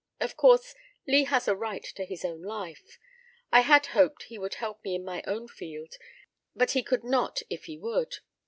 Of course, Lee has a right to his own life. I had hoped he would help me in my own field, but he could not if he would.